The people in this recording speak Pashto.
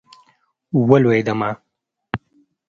ولوېدمه.